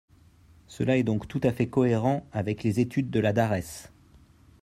Cela est donc tout à fait cohérent avec les études de la DARES.